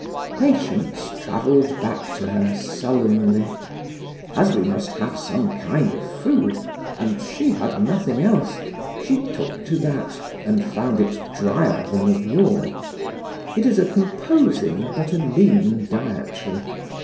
Patience travelled back to her sullenly. As we must have some kind of food, and she had nothing else, she took to that and found it dryer than of yore. It is a composing but a lean dietary.